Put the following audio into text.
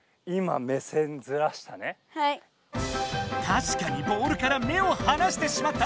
たしかにボールから目をはなしてしまった。